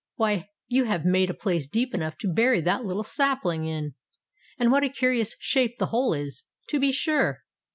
"Why, you have made a place deep enough to bury that little sapling in! And what a curious shape the hole is, to be sure!